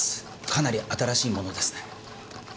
かなり新しいものですね。